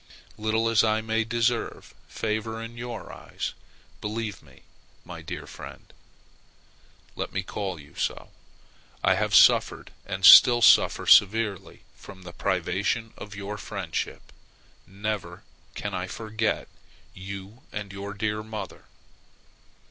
Little as I may deserve favor in your eyes, believe me, my dear friend, (let me still call you so,) I have suffered, and still suffer severely from the privation of your friendship. Never can I forget you and your dear mother.